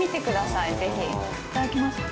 いただきます。